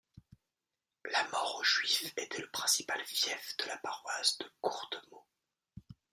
La Mort-aux-Juifs était le principal fief de la paroisse de Courtemaux.